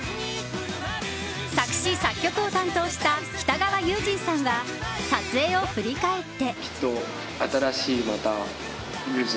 作詞・作曲を担当した北川悠仁さんは撮影を振り返って。